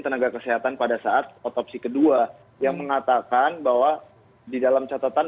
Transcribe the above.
tenaga kesehatan pada saat otopsi kedua yang mengatakan bahwa di dalam catatan